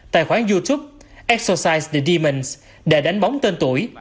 tài khoản youtube exercise the demons để đánh bóng tên tuổi